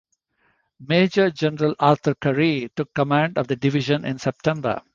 Major-General Arthur Currie took command of the division in September.